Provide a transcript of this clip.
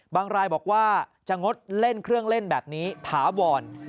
รายบอกว่าจะงดเล่นเครื่องเล่นแบบนี้ถาวร